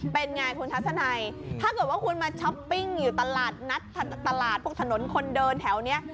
เป็นไงคุณทัศนัยถ้าเกิดว่าคุณมาช้อปปิ้งอยู่ตลาดนัดตลาดพวกถนนคนเดินแถวนี้